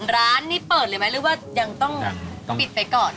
ร้านนี้เปิดเลยไหมหรือว่ายังต้องปิดไปก่อน